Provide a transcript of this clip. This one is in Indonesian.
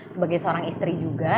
sebagai seorang istri juga